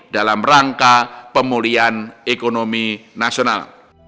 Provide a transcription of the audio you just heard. dalam rangka pemulihan ekonomi nasional